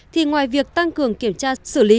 thì ngoài việc tăng cường kiểm tra xử lý